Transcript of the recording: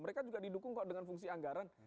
mereka juga didukung kok dengan fungsi anggaran